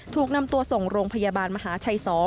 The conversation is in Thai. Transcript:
ถูกนำตัวส่งโรงพยาบาลมหาชัย๒